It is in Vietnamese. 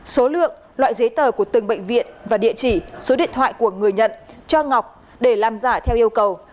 số lượng loại giấy tờ của từng bệnh viện và địa chỉ số điện thoại của người nhận cho ngọc để làm giả theo yêu cầu